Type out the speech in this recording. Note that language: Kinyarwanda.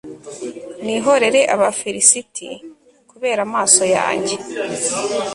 nihorere abafilisiti kubera amaso yanjye